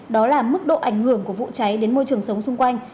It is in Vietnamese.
đó là mức độ ảnh hưởng của vụ cháy đến môi trường sống xung quanh